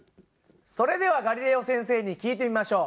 それではガリレオ先生に聞いてみましょう。